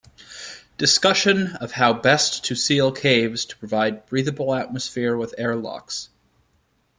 Discussion of how best to seal caves to provide breathable atmosphere with air locks.